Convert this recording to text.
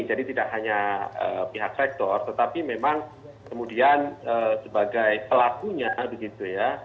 jadi tidak hanya pihak rektor tetapi memang kemudian sebagai pelakunya begitu ya